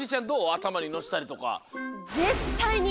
あたまにのせたりとか。